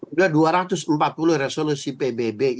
sudah dua ratus empat puluh resolusi pbb yang dikeluarkan